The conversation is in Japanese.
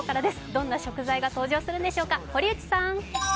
どんな食材が登場するんでしょうか。